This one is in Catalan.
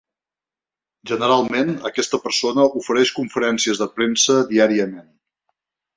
Generalment aquesta persona ofereix conferències de premsa diàriament.